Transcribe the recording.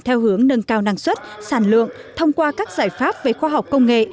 theo hướng nâng cao năng suất sản lượng thông qua các giải pháp về khoa học công nghệ